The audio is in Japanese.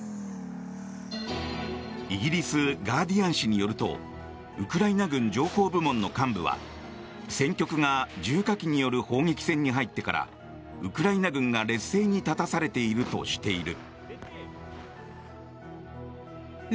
イギリスガーディアン紙によるとウクライナ軍情報部門の幹部は戦局が重火器による砲撃戦に入ってからウクライナ軍が劣勢に立たされているとしている。